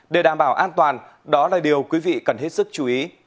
để đảm bảo an toàn đó là điều quý vị cần hết sức chú ý